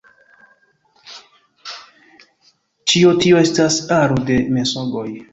Ĉio tio estas aro da mensogoj.